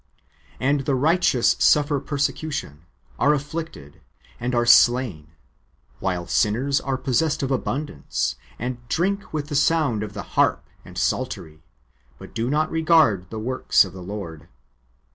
"^ And the righteous suffer persecution, are afflicted, and are slain, while sinners are possessed of abundance, and " drink with the sound of the harp and psaltery, but do not regard the works of the Lord."